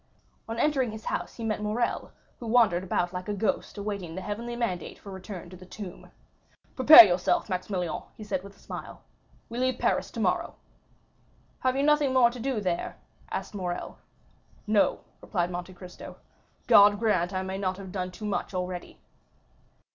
On entering his house, he met Morrel, who wandered about like a ghost awaiting the heavenly mandate for return to the tomb. "Prepare yourself, Maximilian," he said with a smile; "we leave Paris tomorrow." "Have you nothing more to do there?" asked Morrel. "No," replied Monte Cristo; "God grant I may not have done too much already."